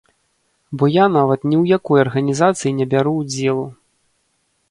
Бо я нават ні ў якой арганізацыі не бяру ўдзелу.